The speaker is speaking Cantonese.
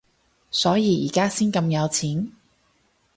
所以而家先咁有錢？